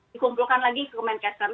dikumpulkan lagi ke kementerian kesehatan